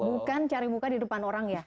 bukan cari muka di depan orang ya